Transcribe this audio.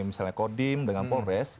misalnya kodim dengan polres